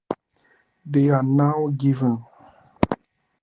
They are now given.